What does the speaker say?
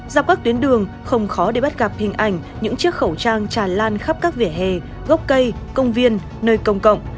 dọc các tuyến đường không khó để bắt gặp hình ảnh những chiếc khẩu trang tràn lan khắp các vỉa hè gốc cây công viên nơi công cộng